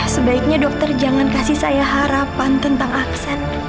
sebaiknya dokter jangan kasih saya harapan tentang aksen